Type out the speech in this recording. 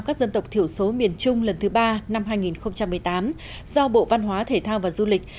các dân tộc thiểu số miền trung lần thứ ba năm hai nghìn một mươi tám do bộ văn hóa thể thao và du lịch